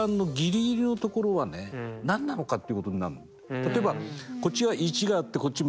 例えばこっち側１があってこっちマイナス１。